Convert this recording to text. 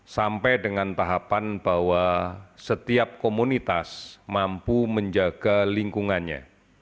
sampai dengan tahapan bahwa setiap komunitas mampu menjaga lingkungannya